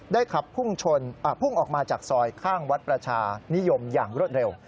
ขับพุ่งออกมาจากซอยข้างวัดประชานิยมอย่างรวดเร็ว